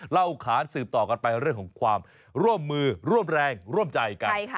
ขานสืบต่อกันไปเรื่องของความร่วมมือร่วมแรงร่วมใจกัน